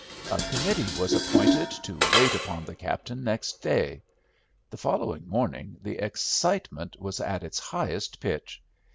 A committee was appointed to wait upon the captain next day. The following morning the excitement was at its highest pitch.